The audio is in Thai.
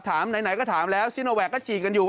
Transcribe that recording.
ไหนก็ถามแล้วซิโนแวคก็ฉีดกันอยู่